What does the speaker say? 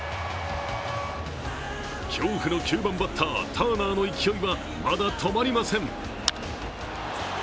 恐怖の９番バッター、ターナーの勢いはまだ止まりません。